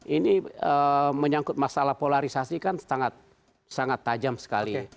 ini menyangkut masalah polarisasi kan sangat tajam sekali